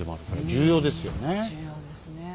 重要ですね。